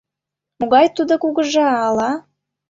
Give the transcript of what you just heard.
Могай тудо кугыжа, ала?